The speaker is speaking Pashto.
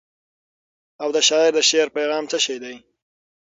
او د شاعر د شعر پیغام څه شی دی؟.